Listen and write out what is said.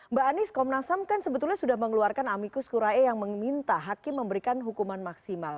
mbak anies komnas ham kan sebetulnya sudah mengeluarkan amikus kurae yang meminta hakim memberikan hukuman maksimal